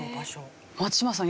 松嶋さん